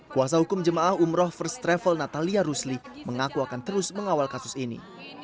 kuasa hukum jemaah umroh first travel natalia rusli mengaku akan terus mengawal kasus ini